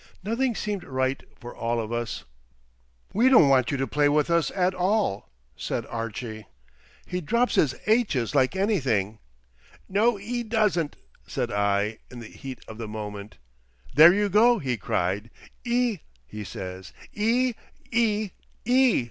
Nothing seemed right for all of us. "We don't want you to play with us at all," said Archie. "Yes, we do," said Beatrice. "He drops his aitches like anything." "No, 'e doesn't," said I, in the heat of the moment. "There you go!" he cried. "E, he says. E! E! E!"